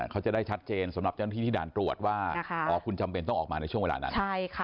เขาจะได้ชัดเจนสำหรับเจ้าหน้าที่ที่ด่านตรวจว่าอ๋อคุณจำเป็นต้องออกมาในช่วงเวลานั้น